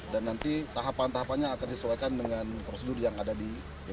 dan nanti tahapan tahapannya akan disesuaikan dengan prosedur yang ada di bpbn